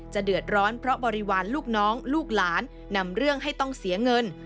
เดือดร้อนเพราะบริวารลูกน้องลูกหลานนำเรื่องให้ต้องเสียเงิน